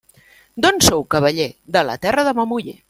D'on sou, cavaller? De la terra de ma muller.